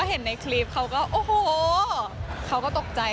เห็นในคลิปเขาก็โอ้โหเขาก็ตกใจ